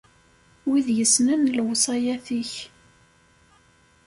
Wid yessnen lewṣayat-ik.